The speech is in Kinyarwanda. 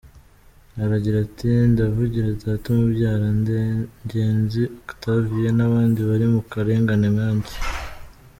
Aragira ati “Ndavugira Data umbyara, Ngenzi Octavien n’abandi bari mu karengane nk’ake.